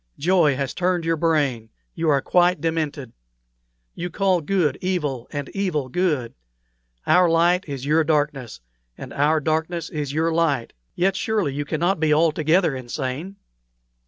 Joy has turned your brain; you are quite demented. You call good evil, and evil good; our light is your darkness, and our darkness your light. Yet surely you cannot be altogether insane.